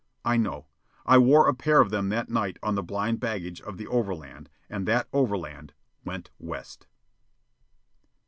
I know. I wore a pair of them that night on the blind baggage of the overland, and that overland went west.